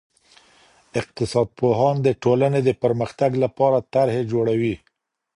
اقتصاد پوهان د ټولني د پرمختګ لپاره طرحي جوړوي.